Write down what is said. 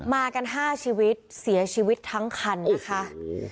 มากันห้าชีวิตเสียชีวิตทั้งคันนะคะโอ้โฮ